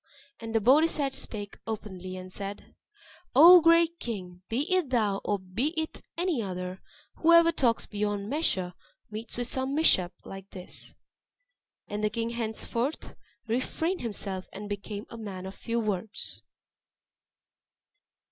And the Bodisat spake openly, and said, "O great king! be it thou, or be it any other, whoever talks beyond measure meets with some mishap like this." And the king henceforth refrained himself, and became a man of few words.